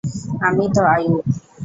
আমিই তো আইয়ুব।